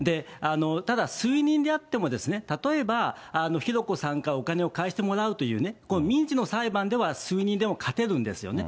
ただ推認であっても、例えば、浩子さんからお金を返してもらうというね、民事の裁判では数人でも勝てるんですよね。